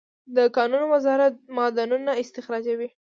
د کانونو وزارت معدنونه استخراجوي